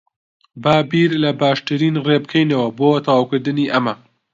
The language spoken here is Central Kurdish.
با بیر لە باشترین ڕێ بکەینەوە بۆ تەواوکردنی ئەمە.